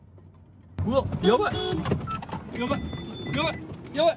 うわっ、やばい。